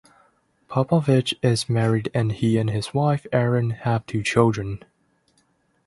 Popovich is married and he and his wife, Erin, have two children.